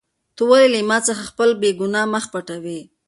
ته ولې له ما څخه خپل بېګناه مخ پټوې؟